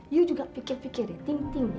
you juga pikir pikir ya think think ya